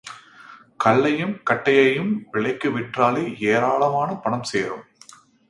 கல்லையும் கட்டையையும் விலைக்கு விற்றாலோ ஏராளமான பணம் சேரும்.